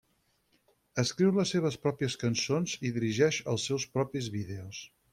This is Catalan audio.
Escriu les seves pròpies cançons i dirigeix els seus propis vídeos.